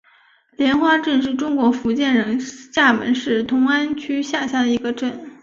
莲花镇是中国福建省厦门市同安区下辖的一个镇。